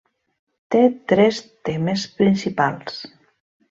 Té tres temes principals.